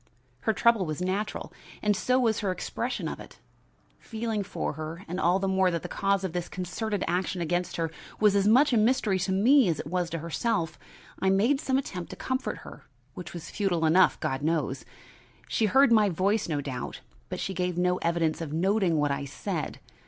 Her trouble was natural and so was her expression of it. Feeling for her, and all the more that the cause of this concerted action against her was as much a mystery to me as it was to herself, I made some attempt to comfort her, which was futile enough, God knows. She heard my voice, no doubt, but she gave no evidence of noting what I said.